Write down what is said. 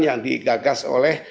yang digagas oleh